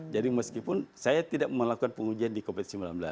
jadi meskipun saya tidak melakukan pengujian di covid sembilan belas